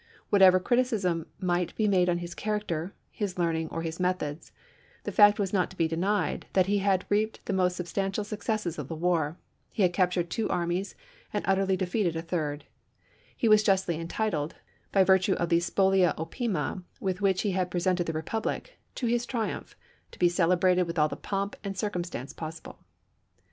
Whatever criticism might be made on his character, his learning, or his methods, the fact was not to be denied that he had reaped the most substantial successes of the war ; he had captured two armies and utterly defeated a third; he was justly entitled, by virtue of the spolia opima with which he had presented the republic, to his triumph, to be celebrated with all the pomp and circumstance possible.